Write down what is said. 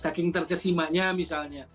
saking terkesimanya misalnya